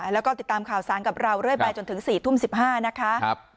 แล้วก็ติดตามข่าวสารกับเราเรื่อยไปจนถึง๔ทุ่ม๑๕นะคะ